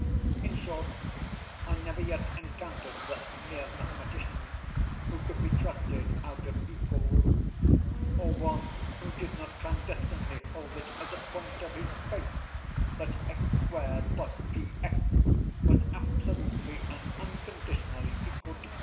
In short, I never yet encountered the mere mathematician who could be trusted out of equal roots, or one who did not clandestinely hold it as a point of his faith that x2+px was absolutely and unconditionally equal to q.